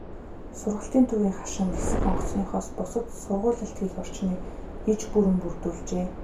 Сургалтын төвийн хашаанд нисэх онгоцныхоос бусад сургуулилалт хийх орчныг иж бүрэн бүрдүүлжээ.